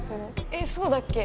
えっそうだっけ？